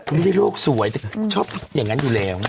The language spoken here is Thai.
ไม่ได้โลกสวยแต่ชอบอย่างนั้นอยู่แล้ว